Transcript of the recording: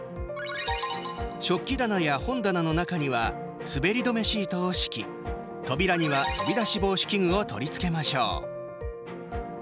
食器棚や本棚の中には滑り止めシートを敷き扉には、飛び出し防止器具を取り付けましょう。